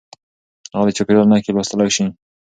هغه د چاپېريال نښې لوستلای شوې.